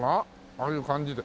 ああいう感じで。